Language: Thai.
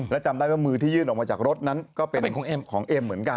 และจำได้ว่ามือที่ยื่นออกมาจากรถนั้นก็เป็นของเอ็มเหมือนกัน